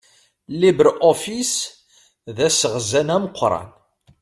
LibreOffice d aseɣzan ameqqran.